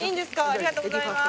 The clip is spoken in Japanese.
ありがとうございます。